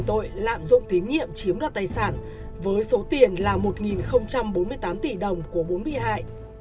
tội lạm dụng tín nhiệm chiếm đoạt tài sản với số tiền là một bốn mươi tám tỷ đồng của bốn bị hại